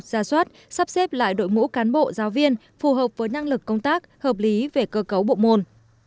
ra soát sắp xếp lại đội ngũ cán bộ giáo viên phù hợp với năng lực công tác hợp lý về cơ cấu bộ môn